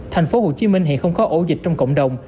thành phố hồ chí minh hiện không có ổ dịch trong cộng đồng